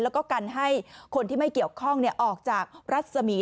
แล้วก็กันให้คนที่ไม่เกี่ยวข้องออกจากรัศมีร์